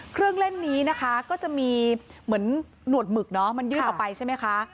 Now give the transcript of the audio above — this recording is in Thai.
เครื่องเล่นนี้นะคะก็จะมีเหมือนหนวดหมึกเนอะมันยืดออกไปใช่ไหมคะ